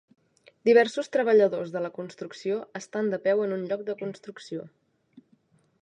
Diversos treballadors de la construcció estan de peu en un lloc de construcció.